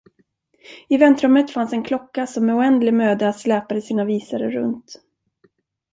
I väntrummet fanns en klocka som med oändlig möda släpade sina visare runt.